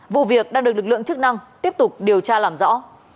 vụ việc đang được lực lượng chức năng tiếp tục điều tra làm rõ